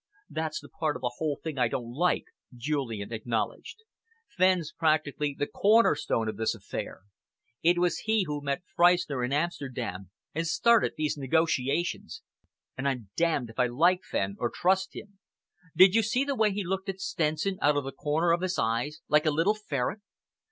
"That's the part of the whole thing I don't like," Julian acknowledged. "Fenn's practically the corner stone of this affair. It was he who met Freistner in Amsterdam and started these negotiations, and I'm damned if I like Fenn, or trust him. Did you see the way he looked at Stenson out of the corners of his eyes, like a little ferret?